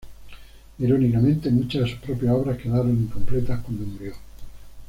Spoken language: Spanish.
Irónicamente, muchas de sus propias obras quedaron incompletas cuando murió.